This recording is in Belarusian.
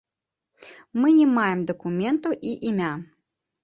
Мы не маем дакументаў і імя.